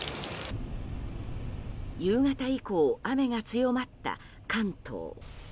夕方以降、雨が強まった関東。